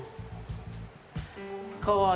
かわいい。